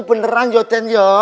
beneran den ya